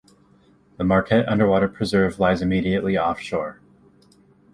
The Marquette Underwater Preserve lies immediately offshore.